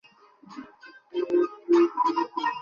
এই, খাওয়ার আগে দাঁতটা পরিষ্কার করে নে।